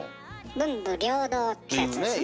文武両道ってやつですね。